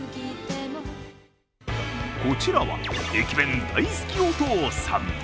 こちらは、駅弁大好きお父さん。